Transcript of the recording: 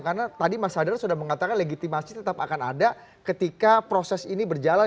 karena tadi mas hadran sudah mengatakan legitimasi tetap akan ada ketika proses ini berjalan